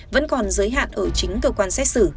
vẫn còn giới hạn ở chính cơ quan xét xử